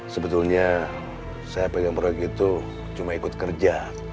sebetulnya saya pegang proyek itu cuma ikut kerja